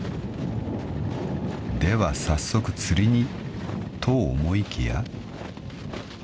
［では早速釣りにと思いきや］